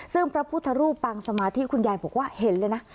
ซึ่งพระพุทธรูปปางสมาธิคุณยายบอกว่าเห็นเลยนะ